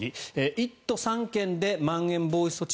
１都３県でまん延防止措置